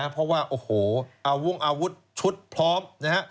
เพราะว่าเอาวุ้งอาวุธชุดพร้อม